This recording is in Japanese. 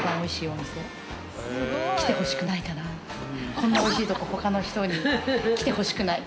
こんなおいしいとこ他の人に来てほしくない。